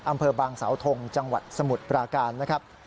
อำเภอบางสาวทงจังหวัดสมุทรปราการนะครับ